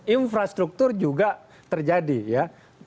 infrastruktur juga terjadi ya